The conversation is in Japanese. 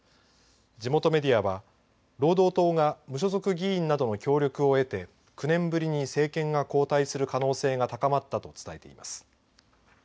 地元メディアは労働党が無所属議員などの協力を得て９年ぶりに政権が交代する可能性が高まったと伝えています。